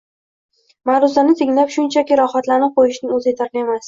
Ma’ruzani tinglab, shunchaki rohatlanib qo‘yishning o‘zi yetarli emas.